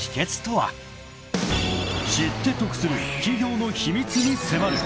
［知って得する企業の秘密に迫る］